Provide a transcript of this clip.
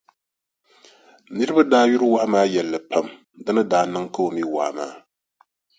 Niriba daa yuri wahu maa yɛlli pam di ni daa niŋ ka o mi waa maa.